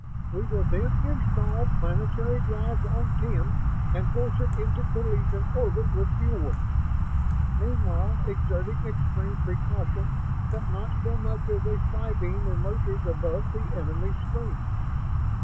We will then install planetary drives on Ten and force it into collision orbit with Fuel World, meanwhile exerting extreme precautions that not so much as a spy beam emerges above the enemy's screen.